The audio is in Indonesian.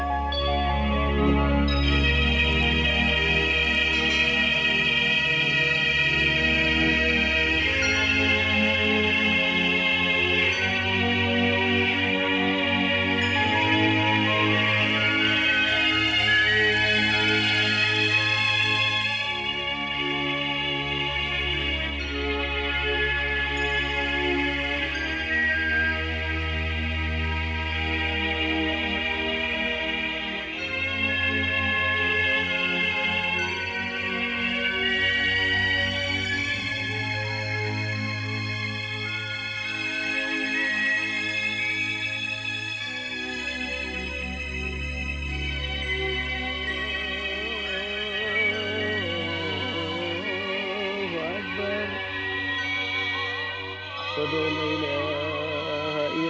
anak si ikang cucu usahaku